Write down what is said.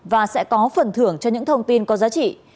và sẽ có phần thưởng cho những thông tin có giá trị